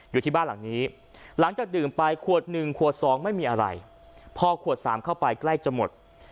อยู่ที่บ้านหลังนี้หลังจากดื่มไปขวดหนึ่งขวดสองไม่มีอะไรพอขวดสามเข้าไปใกล้จะหมด